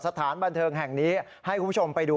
สถานบันเทิงแห่งนี้ให้คุณผู้ชมไปดู